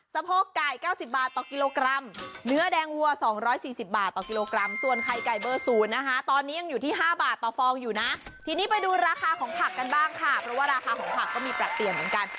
โพกไก่๙๐บาทต่อกิโลกรัมเนื้อแดงวัว๒๔๐บาทต่อกิโลกรัมส่วนไข่ไก่เบอร์๐นะคะตอนนี้ยังอยู่ที่๕บาทต่อฟองอยู่นะทีนี้ไปดูราคาของผักกันบ้างค่ะเพราะว่าราคาของผักก็มีปรับเปลี่ยนเหมือนกัน